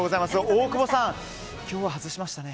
大久保さん、今日は外しましたね。